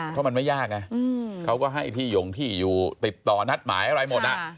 เพราะมันไม่ยากไงเขาก็ให้ที่หย่งที่อยู่ติดต่อนัดหมายอะไรหมด